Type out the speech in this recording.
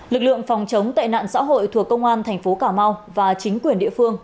lực lượng phòng chống tệ nạn xã hội thuộc công an tp cà mau và chính quyền địa phương